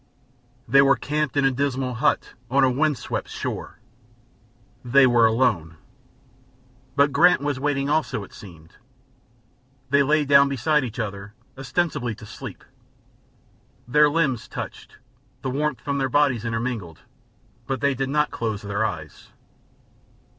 They were camped in a dismal hut on a wind swept shore; they were alone. But Grant was waiting also, it seemed. They lay down beside each other, ostensibly to sleep; their limbs touched; the warmth from their bodies intermingled, but they did not close their eyes.